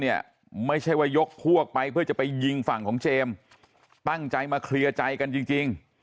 เนี่ยไม่ใช่ว่ายกพวกไปเพื่อจะไปยิงฝั่งของเจมส์ตั้งใจมาเคลียร์ใจกันจริง